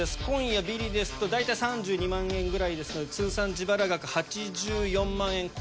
今夜ビリですと大体３２万円ぐらいですので通算自腹額８４万円。